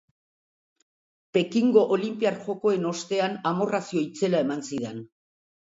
Pekingo olinpiar jokoen ostean amorrazio itzela eman zidan.